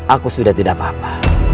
aku sudah tidak apa apa